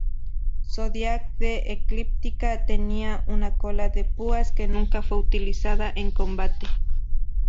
Zodiac de Eclíptica tenía una cola de púas que nunca fue utilizado en combate.